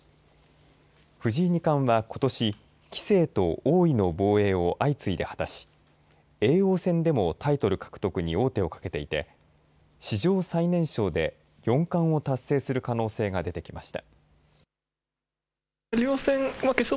藤井２冠は、ことし棋聖と王位の防衛を相次いで果たし叡王戦でもタイトル獲得に王手をかけていて史上最年少で四冠を達成する可能性が出てきました。